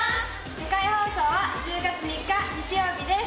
初回放送は１０月３日日曜日です。